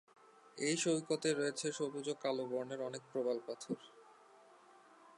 এই সৈকতে রয়েছে সবুজ ও কালো বর্ণের অনেক প্রবাল পাথর।